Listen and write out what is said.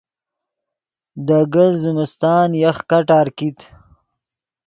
دے گلت زمستان یخ کٹار کیت